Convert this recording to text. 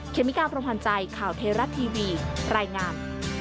เคมิการ์พรหม่อนใจข่าวเทราะทีวีรายงาม